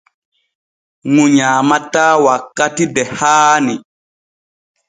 Ŋu nyaamataa wakkati de haani.